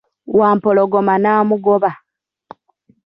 Wampologoma namugoba.